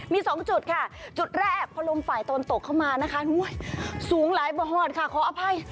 มีสองจุดค่ะจุดแรกพอลมฝ่ายตะวันตกเข้ามานะคะสูงหลายบ่อหอดค่ะขออภัย